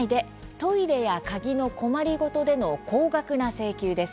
トイレや鍵の困りごとでの高額な請求」です。